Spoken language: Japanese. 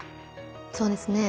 そうですね。